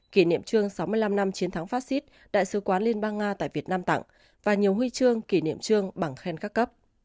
kỷ niệm chương sáu mươi năm năm chiến thắng phát xít đại sứ quán liên bang nga tại việt nam tặng và nhiều huy chương kỷ niệm chương bằng khen các cấp